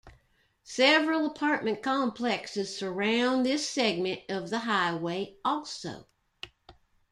Several apartment complexes surround this segment of the highway also.